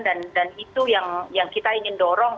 dan itu yang kita ingin dorong